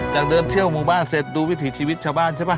จากเดิมเที่ยวหมู่บ้านเสร็จดูวิถีชีวิตชาวบ้านใช่ป่ะ